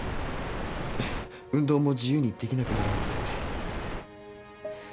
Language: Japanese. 運動も自由にできなくなるんですよね？